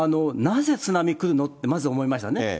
なぜ津波来るの？ってまず思いましたね。